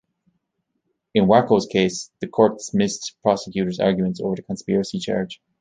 In Wako's case, the court dismissed prosecutors' arguments over the conspiracy charge.